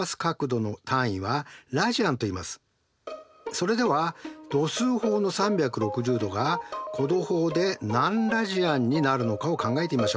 それでは度数法の３６０°が弧度法で何ラジアンになるのかを考えてみましょう。